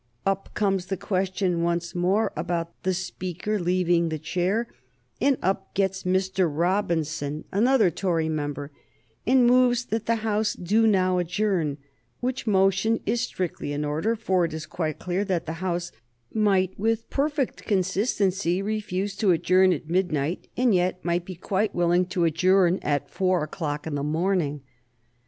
Up comes the question once more about the Speaker leaving the chair, and up gets Mr. Robinson, another Tory member, and moves that the House do now adjourn, which motion is strictly in order, for it is quite clear that the House might with perfect consistency refuse to adjourn at midnight and yet might be quite willing to adjourn at four o'clock in the morning.